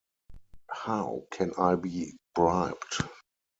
How can I be bribed?